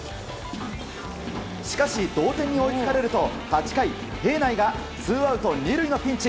しかし同点に追いつかれると８回平内がツーアウト２塁のピンチ。